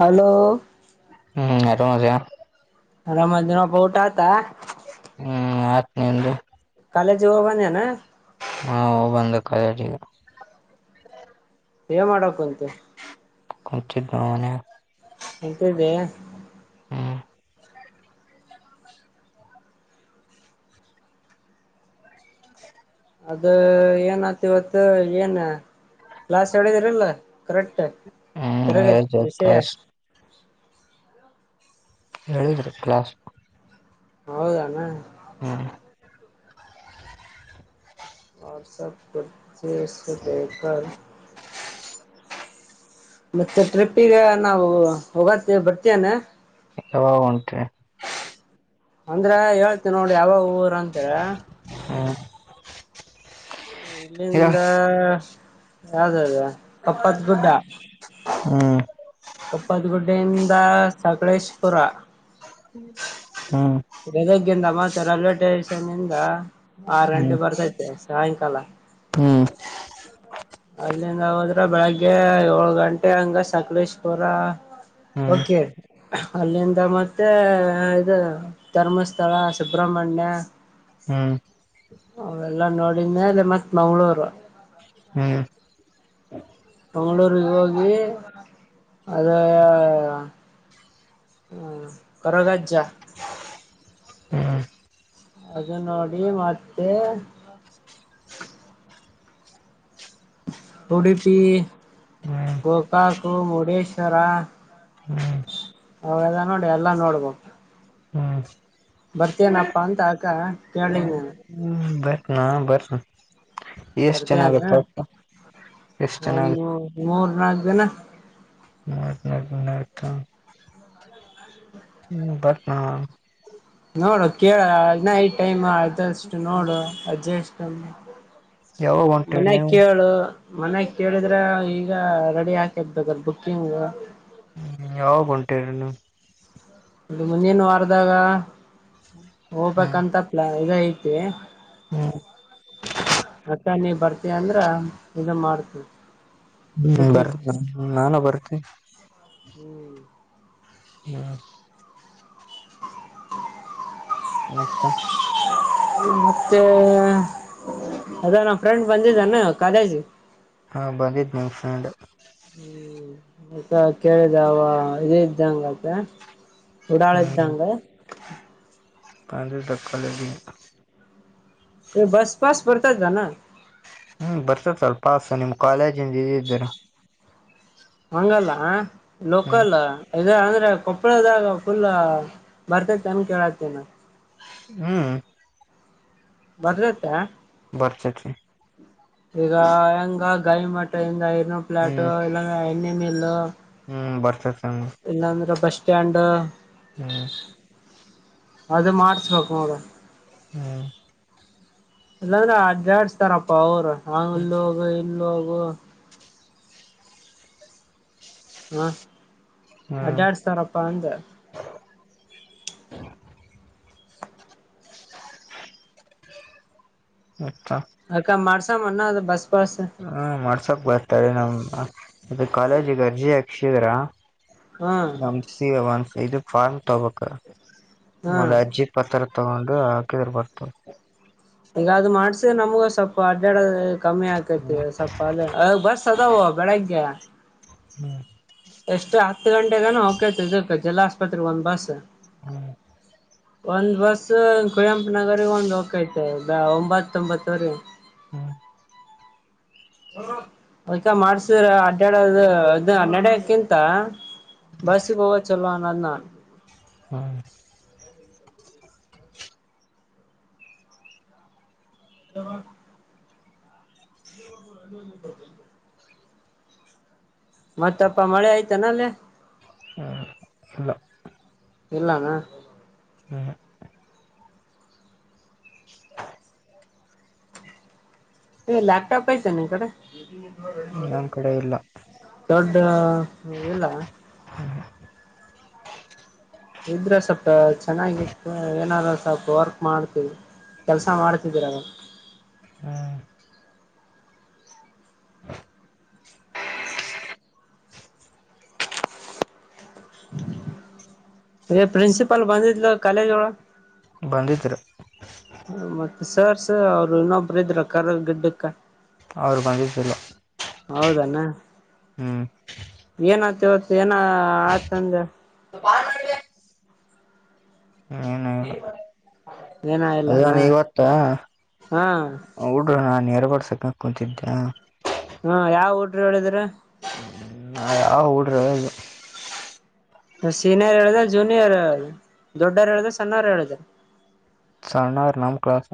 Hello ಹ್ಮ್ ರ ಮಜಾ ರಮಜನ ಪೌಟಾ ತಾ ಹ್ಮ್ ಆತ್ ನಿ ಒ್ದ ಕಾಾಲ ಜವವ ನ ಹಾ ಬಂದ ಕಗ ಮಾಡ್ಕು ಅಂತ ಕುಚನ ಕುಂತಿದ್ದೆ ಹ್ಮ್ ಅದ ಏನ ಆತಿ ಇವತ್ತು ಏನ್ ಲ್ಲಾಸ್ ಹೇಳಿದರಲ್ಲ ಕಕ್ಟ್ ಹ್ಮ್ ಬರಗ ಹೇಳಿದ್ರು ವಿಷಯ ಕ್ಲಾಸ್ ಹೇಳಿದ್ರು ಕ್ಲಾಸ್ ಹೌದಣ ಹ್ಮ ವಾಟ್ಸಪ್ ಪ್ರ ದಸ್ಬೇಕೇಕ ಮತ್ತೆ ಟ್ರಿಪ್ಗ ನಾವು ಹೋಗತ್ತೇ ಬರ್ತೇನೆ ಯಂಟೆ ಅಂದ್ರ ಹೇಳ್ತಿ ನೋಡಿ ಯಾವ ಊರ ಅಂತರ ಹ್ಮ್ ಯಾವ ಇಲ್ಲಿಂದ ಯಾವ್ದದ ಕಪ್ಪತ್ಗುಡ್ಡ ಹ್ಮ್ ಕಪ್ಪತ್ಗುಡ್ಡ ದ ಸಕಳೇಶ್ ಪುರ ಹ್ಮ್ ಬೆದಗ್ಗಿಂದ ಮತ್ತೆ ರಲ್ವವೆ ಸ್ಟೇಷನ್ ಇದ ಆರು ಗಂಟೆ ಹ್ಮ್ ಬರ್ತೈತೆ ಸಾಯಂಕಾಲ ಹ್ಮ್ ಅಲ್ಲಿಂದ ಹೋದ್ರ ಬೆಳಗ್ಗೆ ಏಳ್ ಗಂಟೆ ಹಂಗ ಸಕಲೇಶ್ಪುರ ಹ್ಮ್ ಓಕೆ ಅಲ್ಲಿಂದ ಮತ್ತೆ ಇದು ಧರ್ಮಸ್ಥಳ ಸುಬ್ರಹ್ಮಣ್ಯ ಹ್ಮ್ ಹ್ಮ್ ಅವೆಲ್ಲ ನೋಡಿದ ಮೇಲೆ ಮತ್ತ್ ಮಂಗ್ಗಳೂರು ಹ್ಮ್ ಮಂಗಳೂರಿಗೆ ಹೋಗಿ ಅದ ಹ್ಮ್ ಕರಗಾಜಜ ಅದ ನೋಡಿ ಮತ್ತೆ ತಡುಪಿ ಗೋಕಾಕು ಮುಡೇಶ್ವರ ಹದ ನೋಡಿ ಎಲ್ಲಾ ನೋಡ್ಬೋ ಬರ್ತೇನಪ್ಪಾ ಅಂತ ಅಕ ಕೇಳಿದ ನ ಬರ್ತನ ಬರ್ ಬರ್ತಾನ ಎಷ್ಟ್ ಜನ ಒಂದು ಮೂರ್ ನಾಲ್ಕು ದನ ನ ನನಕ ಹ್ಮ್ ಬಟ್ ನ ನೋಡು ಕೇಳ ನೈಟ್ ಟೈಮ್ ಆದಷ್ಟು ನೋಡು ಅಜ್ಜೆಷ್ಟ ಯಾವಾಗ ಹೊಂಟಿರಿ ಮನ್ಯಾಗ ನೀವು ಕೇಳು ಮನೆ ಕೇಳಿದ್ರೆ ಈಗ ರೆಡಿ ಹಾಕಿರ್ಬೇಕ್ರ ಬುಕ್ಕಿಂಗ್ ಹ್ಮ್ ಯಾವ ಉಂಟಿರನು ಇದು ಮುಂದೇನ್ ವಾರದಾಗ ಹ್ಮ್ ಹೋಗ್ಬೇಕಂತ ಪ್ಲಾನ್ ಇದ ಐತಿ ಹ್ಮ್ ಮತ್ತ ನೀ ಬರ್ತೀ ಅಂದ್ರ ಇದು ಮಾಡ್ತೀವಿ ಹ್ಮ್ ಬರ್ತ ನಾನ ಬರ್ತೇ ಹ್ಮ್ ಹ ಮ ಮತ್ತೆ ಅದ ನಾ ಫ್ರೆಂಡ್ ಬಂದಿದ್ದಾನ ಕಾಲೇಜ್ ಹಾ ಬಂದಿದ್ದ್ ನ್ಯೂಸಲೆಂಡ್ ಅ ಕೇಳಿದಾವ ಇದ ಇದ್ದಂಗತ್ತ ಉಡಾಳದ್ದಂಗ ಪ ತಕ್ಕಲ್ಲಿ ಬಸಪಾಸ ಪಡ್ತ ಜಾನ ಹ್ಮ್ ಬರ್ತದ ಅಲ್ ಪಸ್ ನಿಮ ಕಾಲೇಜಿಂದ ಇದಿದ್ದೇರ ಹಂಗಲ್ಲ ಹ್ಮ್ ಲೋಕಲ್ಲ ಇ ಅಂದ ಕೊಪ್ಪಳದಾಗ ಫುಲ್ ಬರ್ತೈತೆ ಅನ್ ಕೇಳತೇನ ಹ್ಮ್ ಮದ್ಲತ ಬರ್ಚರಿ ಈಗ ಹೆಂಗ ಗಾಯ ಮಟ್ಟದಿಂದ ಇರ್ನೂರ್ ಪ್ಲಾಟ್ ಹ್ಮ್ ಇಲ್ಲಂದ ಎಣ್ಣೆ ಮೀಲ್ ಹ್ಮ್ ಬರ್ತದ್. ಇಲ್ಲಂದ್ರೆ ಬಸ್ ಸ್ಟ್ಯಾಂಡು ಹ್ಮ್ ಅದ ಮಾಡ್ಸ್ಬೇಕು ನೋಡ. ಹ್ಮ ಇಲ್ಲಾಂದ್ರೆ ಅಡ್ಡಾಡ್ಸ್ತಾರಪ್ಪ ಅವ್ರು ಹ ಹ್ಮ್ ಅಲ್ಲೋಗ ಇಲ್ಲೋಗು ಹಾ ಅಡ್ಡಾಡ್ಸ್ತಾರಪ್ಪ ಅಂದೆ. ಹ ಅತಾ ಅದಕ್ಕ ಮಾಡ್ಸಾಮನ್ನೊದು ಬಸ್ ಪಾಸ್ ಹ್ಮ ಮಾಡ್ಸೋಕ್ ಬರ್ತಾರೆ ನಮ್ ಅದು ಕಾಲೇಜಿಗೆ ಅರ್ಜಿ ಹಾಕ್ಸಿದ್ರ? ಹಾ ನಮ್ಸೀ ಇದು ಫಾರ್ಮ್ ತಗಬೇಕ ಹಾ ನ ಅರ್ಜೀ ಪತ್ರ ತಗೊಂಡು ಹಾಕಿದ್ರ ಬರ್ತಾದ್. ಈಗ ಅದು ಮಾಡ್ಸಿದ್ರ್ ನಮ್ಗ ಸ್ವಲ್ಪ ಅಡ್ಡಾಡ ಕಮ್ಮಿ ಆಕೈತಿ ಹ್ಮ್ ಸ್ವಲ್ಪ ಅ ಬಸ್ ಅದಾವ ಬೆಳಗ್ಗೆ. ಹ್ಮ್ ಎಷ್ಟು ಹತ್ತು ಗಂಟೆಗನ ಹೋಕ್ಕೖತ ಇದಕ್ಕೆ ಜಿಲ್ಲಾ ಆಸ್ಪತ್ರೆಗೆ ಒಂದ್ ಬಸ್ಸು. ಹ್ಮ್ ಒಂದ್ ಬಸ್ಸು ಕುವಂಪುನಗರಿಗ ಒಂದ್ ಹೋಕೈತೆ ಒಂಬತ್ತೊಂಬತ್ತವರಿಗೆ. ಹ್ಮ ಅ್ಕ ಮಾಡ್ಸಿ ಅಡ್ಡಾಡದು ಅದು ಅನ್ನಡಕಿಂತ ಬಸ್ಸಿಗೋಗದ್ ಚಲ್ಲೊ ನನ್. ಹ್ಮ್ ಹ ಹ ಅ [unintelligible] ಮತ್ತೆಪ್ಪ ಮಳೆ ಆಯ್ತಾನ ಅಲ್ಲೇ? ಹ ಇಲ್ಲ. ಇಲ್ಲಾನ? ಹ್ಮು ಹು. ಹ ಏ ಲ್ಯಾಪ್ಟ್ಯಾಪ್ ಹೖತೇನ್ ನಿನ್ಕಡೆ. ನನ್ಕಡೆ ಇಲ್ಲ. ಹ ಇಲ್ಲ. [inaudible] ನಾವ್ ಒಂದ್ ಸ್ವಲ್ಪ ವರ್ಕ್ ಮಾಡ್ತವಿ ಕೆಲ್ಸ ಮಾಡ್ತಿದೀರ ಅಲ. ಹ್ಮ ಏ ಪ್ರಿನ್ಸಿಪಲ್ ಬಂದಿದ್ಲು ಕಾಲೇಜ್ಗವ. ಬಂದಿದ್ರು. ಮತ್ತೆ ಸರ್ಸು ಅವ್ರು ಇನ್ನೊಬ್ಬರು ಇದ್ರ ಕರ್ರಗ್ ಗಿಡ್ಡಕ್ಕ. ಅವ್ರು ಬಂದಿದ್ದಿಲ್ಲ. ಹೌದೇನ ಹ್ಮ್ ಏನಾತ್ತಿವತ್ತು ಏನ ಆಯ್ತಂದ್ಯ [unintelligible] ಏನೂ ಇಲ್ಲ. ಏನ ಇಲ್ಲಾನ ಅದೇ ಇವತ್ತ ಹಾ ಹುಡ್ರ ನಾ [unintelligible] ಕುಂತಿದ್ಯಾ? ಹಾ ಯಾವ ಹುಡ್ರ್ ಹೇಳಿದ್ರ? ನಾ ಯಾವ ಹುಡ್ರ ಹೇಳಿದ್ರು. ಸೀನಿಯರ್ ಹೇಳಿದ್ದ ಜೂನಿಯರ್ ಹೇಳ ದೊಡ್ಡವರು ಹೇಳ್ದ ಸಣ್ಣವರು ಹೇಳುದ್ರ. ಸಣ್ಣೋರೊ ನಮ್ ಕ್ಲಾಸ್.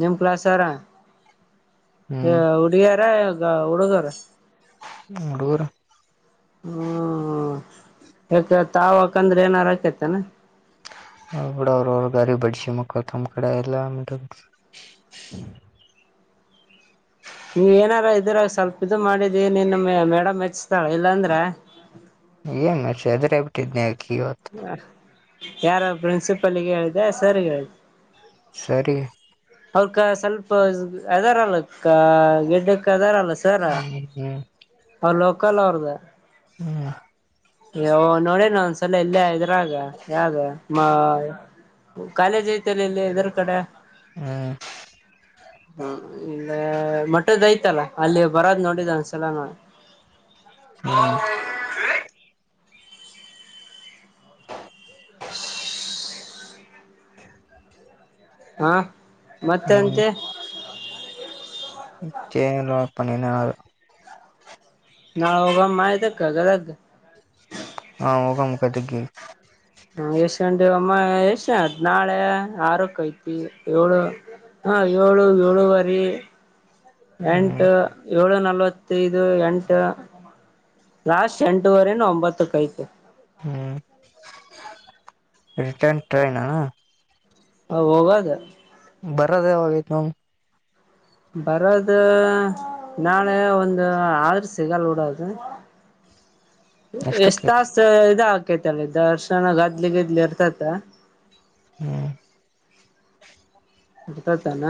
ನಿಮ ಕ್ಲಾಸಾರ ಹ್ಮ್ ಹುಡುಗಿಯಾರ ಹುಡುಗರ? ಮಂಗಗಳೂರು ಹ್ಮ್ ಯಾಕ ತಾವಕಂದ್ರೆ ಏನಾರಕೇತನಾ ಅವ ಕೂಡ ಅವರು ಅವ್ರ ಗರಿ ಬಡಿಸಿ ಮಕ್ಕಳು ತಮ್ಮ್ ಕಡೆ ಎಲ್ಲ ನೀವ ಏನಾರ ಇದ್ರಾಗ ಸ್ವಲ್ಪ ಇದು ಮಾಡಿದಿ ನಿನ್ನ ಮ ಮೇಡಮ್ ಮೆಚ್ತಾಳ ಇಲ್ಲಾಂದ್ರ ಮ ಸದ್ರಬಟ ಇದನಕ್ಕಿ ಹೊತ್ತು ಯಾರ ಪ್ರಿನ್ಸಿಪಲ್ಗೆ ಹೇಳಿದೆ ಸರ್ಗೆ ಹೇಳಿದೆ ಸರಿ ಅವಕ ಸ್ವಲ್ಪ ಅದಾರ ಅಲ್ಲಕ್ಕ ಗೆಡ್ಡಕ್ಕ ಅದಾರ ಅಲ್ಲ ಸರ ಹ್ಮ್ ಲೋಕಲ್ ಅವ್ರದ ಹ್ಮ ನೋಡ ನ ಒಂದ್ಸಲ ಇಲ್ಲೇ ಇದ್ರಾಗ ಯಾವ್ದ ಕಾಲೇಜ್ ಐತೆಲ್ಲ ಇಲ್ಲಿ ಇದರ ಕಡೆ ಹ್ಮ್ ಹ್ಮ ಅ ಮೊಟ್ಟದ ಐತಲ್ಲ ಅಲ್ಲಿ ಬರೋದ್ ನೋಡಿದ ಒಂದ್ಸಲ ನೋಡಿ ಹ್ಮ್ [unintelligible] ಹಾ ಮತ್ತೆಂತೆ ನಲ್ಲ ಪ ನೀನ ನಾವೋಗಮ್ಮ ಇದ್ದಕ್ಕ ಗಲದ ಹಾ ಗ ಮುಕತಿಗ ಹ ಯಶಂಡೇವ ಅಮ್ಮ ಯಶ ನಾಳೆ ಆರಕ್ಕ ಐತಿ ಏಳು ಹಾ ಏಳು ಏಳುವರಿ ಹ್ಮ್ ಎಂಟು ಏಳು ನಲ್ವತ್ತೈದು ಎಂಟು ಲಾಸ್ಟ್ ಎಂಟುವರೆನು ಒಂಬತ್ತಕ್ ತೆ ಹ್ಮ ಹ್ಮ್ ರಿಟರ್ನ್ ಟ್ರೈನ್ ಹ ಹೋಗದ ಬರದಾವಾಗೈತ ನ ಬರೋದು ನಾಳೆ ಒಂದು ಆಳ್ರ ಸಿಗಲ್ ಡೋದು ಎಷ್ಟ ಎಷ್ಟಕ್ಕೈತ್ ತಾಸ್ ಇದಾ ಕೈತಲ್ಲ ದರ್ಶನ ಗದ್ಲಿ ಗಿದ್ಲಿ ಇರ್ತತ ಹ್ಮ್ ಬಿತಡ್ತಾನ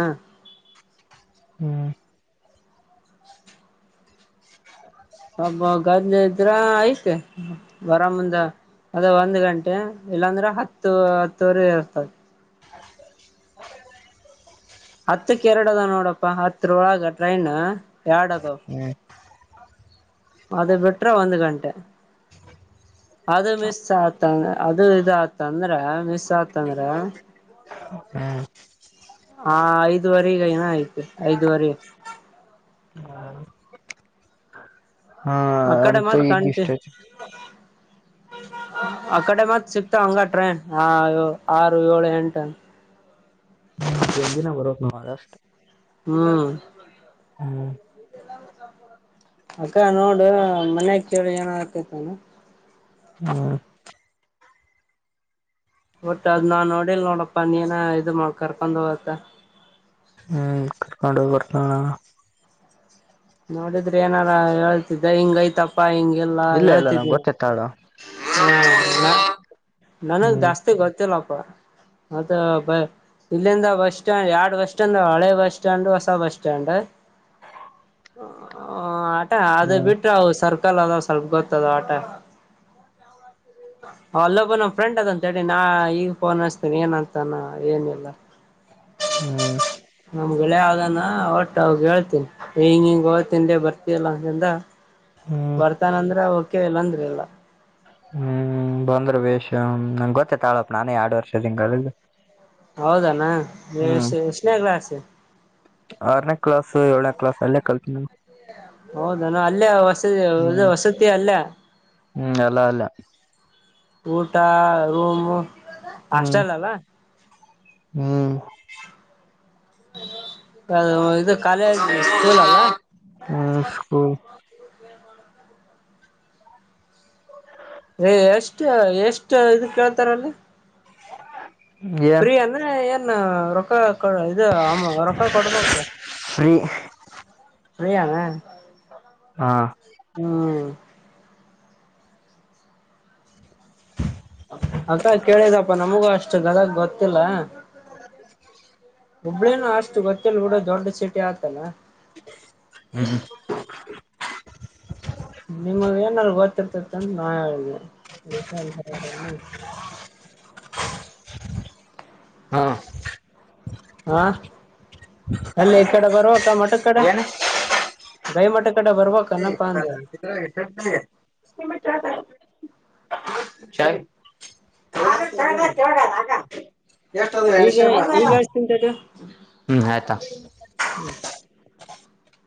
ಹ್ಮ್ ಹ ಹಬ್ಬ ಗದ್ದೆ ಇದ್ರ ಐ್ತಬರ ಮುಂದ ಅದ ಒಂದ್ ಗಂಟೆ ಇಲ್ಲಾಂದ್ರೆ ಹತ್ತು ಹತ್ತುವರೆ ಇರ್ತದೆ ಹತ್ತಕ್ಕೆ ಎರಡು ಅದ ನೋಡಪ್ಪ ಹತ್ರರೊಳಗ ಟ್ರೈನ್ ಎರಡ ಅದ ಹ್ಮ್ ಒಂದ್ ಗಂಟೆ ಅದು ಮಿಸ್ ಆತ ಅದು ಇದತಂದ್ರೆ ಮಿಸ್ ಸ್ತಂದ್ರ ಹಾ. ಹಾ ಐದುವರೆಗ ಏನ ಆಯ್ತು ಐದುವರೆ. ಹಾ ಆ ಕಡೆ ಅಂತ ಮತ್ ಈ ಕಂಟಿ ಗಷ್ಟ. [unintelligible] ಆ ಕಡೆ ಮತ್ತ್ ಸಿಕ್ತಾವ ಹಂಗ ಟ್ರೈನ್ ಆ ಆರು ಏಳು ಎಂಟ. ಎಲ್ ದಿನ ಬರೋದು ನಾವವು ಅಗ ಅಷ್ಟು. ಹ್ಮ್. ಹ್ಮ್. ಅಕ್ಕ ನೋಡು ಮನ್ಯಾಗ ಕೇಳಿ ಏನ ಆತೈತಾನ. ಹ್ಮ್. ಒಟ್ಟ ಅದ್ ನಾ ನೋಡಿಲ್ ನೋಡಪ್ಪಾ ನೀನ ಇದು ಮಾಡ ಕರ್ಕೊಂಡ ಹೋಗತ್ತ. ಹಾ. ಮಾಡಿದ್ರೆ ಏನಾರ ಹೇಳ್ತಿದ್ದ ಹಿಂಗ ಐತಪ್ಪ ಹಿಂಗಗೆಲ್ಲಾ ಇಲ್ಲ ಇಲ್ಲ ನಂಗೆ ಹೇಳ್ತಿದಿ. ಗೊತ್ತತ್ತಾಳು ಹಾ ನಾ ನನಗ್ ಹ್ಮ್ ಜಾಸ್ತಿ ಗೊತ್ತಿಲ್ಲಪ್ಪ. [unintelligible] ಇಲ್ಲಿಂದ ಬಸ್ ಸ್ಟ್ಯಾಂಡ್ ಎರಡ್ ಬಸ್ ಸ್ಟ್ಯಾಂಡ್ ಹಳೆ ಬಸ್ ಸ್ಟ್ಯಾಂಡ್ ಹೊಸ ಬಸ್ ಸ್ಟಾಂಡ್. ಹ ಆಟ ಅದ ಹ್ಮ್ ಬಿಟ್ರವು ಸರ್ಪ. ಕ್ಕಲ್ಲ ಅದ ಸ್ವಲ್ಪ ಗೊತ್ತದ ಆಟ. ಅಲ್ಲೊಬ್ಬ ನಮ್ಮ ಫ್ರೆಂಡ್ ಅದಂತ ಹೇಳಿ ನಾ ಈಗ ಫೋನ್ ಅಸ್ತೇನಿ ಏನಂತಾನ ಏನಿಲ್ಲ. ಹ್ಮ. ನಮ್ ಗೆಳೆಯ ಅಧನ ಒಟ್ಟ ಅವ ಹೇಳ್ತನಿ ಹಂಗ ಹಿಂಗ ಹೋಳ್ತನ್ ಬರ್ತಿಯಲ್ಲ ಅಂತಂದ. ಹ್ಮ್ ಬರ್ತಾನ ಅಂದ್ರೆ ಓಕೆ ಇಲ್ಲಂದ್ರ ಇಲ್ಲ. ಹ್ಮ್ ಬಂದ್ರು ವೇಶ ನಂಗೆ ಗೊತ್ತೇ ತಾಳಪ್ಪ ನಾನೇ ಎರಡು ವರ್ಷ ಇದೀನಿ ಕಾಲೇಜ್ ಅಲ್ಲಿ ಹೌದಣ ಎಷನೇ ಕ್ಲಾಸ್ ಆರನೇ ಕ್ಲಾಸ್ ಏಳನೇ ಕ್ಲಾಸ್ ಅಲ್ಲೇ ಕಲ್ತೀನ. ಹೌದಾನ ಅಲ್ಲೇ. ಅದು ಹ್ಮ್ ವಸತ್ಯ ಅಲ್ಲ. ಎಲ್ಲ ಅಲ್ಲ ಊಟ ರೂಮ್ ಹ್ಮ್ ಹಾಸ್ಟೆಲ್ ಅಲ್ಲ. ಹ್ಮ್. ಅದು ಇದು ಕಾಲೇಜ್ ಸ್ಕೂಲ್ ಅಲ್ಲ. ಹ್ಮ್ ಸ್ಕೂಲ್ ಎಷ್ಟ ಎಷ್ಟ ಇದ ಕೇಳ್ತಾರಲ್ಲಿ. ಏನ್ ಪ್ರೀ ಏನು ಹೆನ್ ರೊಕ್ಕ ಇದು ಆ ರೊಕ್ಕ ಕೊಡ್ಬೇಕು ಫ್ರೀ ಪ್ರೀ ಯಾನ. ಹಾ. ಅದ ಕೇಳಿದಪ್ಪ ನಮಗೂ ಅಷ್ಟು ಗದಗ್ ಗೊತ್ತಿಲ್ಲ. ಹ. ಹುಬ್ಬಳೇನ ಅಷ್ಟು ಗೊತ್ತಿಲ್ಲ ಕೂಡ ದೊಡ್ಡ ಸೀಟಿ ಆತಲ್ಲ. ಹ್ಮ್. ನಿಮಗ್ ಏನಾದ್ರು ಗೊತ್ತಿರ್ತತಿ ಅಂತ ನಾ ಹೇಳಿದ್ದೇನೆ. ಎಷ್ಟ. [unintelligible] ಹಾ. ಹಾ ಅಲ್ಲಿ ಈ ಕಡೆ ಬರುವಕ್ಕ ಮಠ ಕಡೆ ಗೈ ಮಠ. ಕಡೆ [unintelligible] [unintelligible] ಬರ್ಬಕನ್ನಪ್ಪಾ ಅಂದೆ ಎಷ್ಟ ಈಗ ಈಗ ಎಷ್ಟ ನಿಂತದ ಹ್ಮ್ ಆಯ್ತಾ. ಹ.